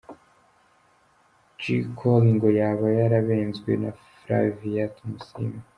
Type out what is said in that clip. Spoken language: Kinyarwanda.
J Cole ngo yaba yarabenzwe na Flavia Tumusiime.